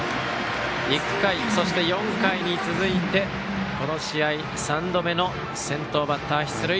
１回、そして４回に続いてこの試合３度目の先頭バッター出塁。